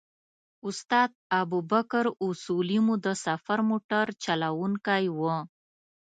استاد ابوبکر اصولي مو د سفر موټر چلوونکی و.